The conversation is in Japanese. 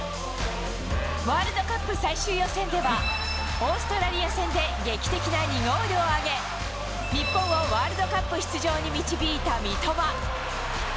ワールドカップ最終予選では、オーストラリア戦で劇的な２ゴールを挙げ、日本をワールドカップ出場へ導いた三笘。